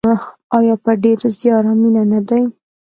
آیا په ډیر زیار او مینه نه دی؟